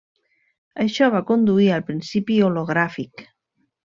Això va conduir al principi hologràfic.